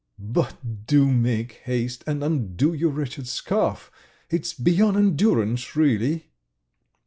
But do make haste and undo your wretched scarf! It's beyond endurance, really!"